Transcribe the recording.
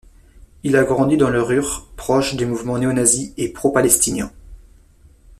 Il a grandi dans la Ruhr, proche des mouvements néonazis et pro-palestiniens.